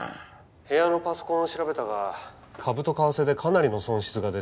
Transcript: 部屋のパソコンを調べたが株と為替でかなりの損失が出てるね。